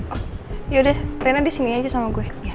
oh yaudah reina disini aja sama gue